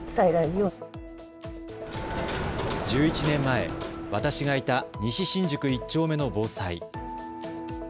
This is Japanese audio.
１１年前、私がいた西新宿１丁目の防災。